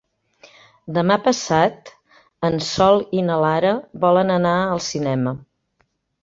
Demà passat en Sol i na Lara volen anar al cinema.